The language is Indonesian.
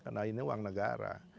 karena ini uang negara